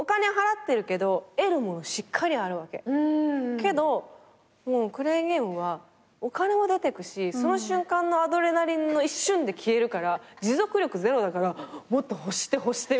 けどクレーンゲームはお金も出てくしその瞬間のアドレナリンの一瞬で消えるから持続力０だからもっと欲して欲してみたいな。